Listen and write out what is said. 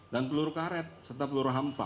peluru karet serta peluru hampa